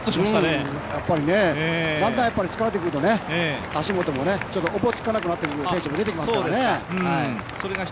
疲れてくると、足元もおぼつかなくなってくる選手も出てきますからね。